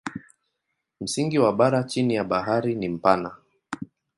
Msingi wa bara chini ya bahari ni mpana.